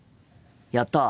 やった！